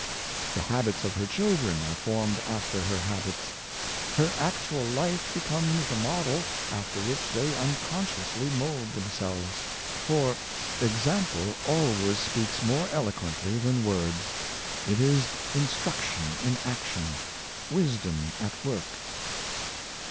The habits of her children are formed after her habits; her actual life becomes the model after which they unconsciously mold themselves; for example always speaks more eloquently than words ; it is instruc tion in action — wisdom at work.